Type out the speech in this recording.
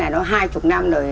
nó hai mươi năm rồi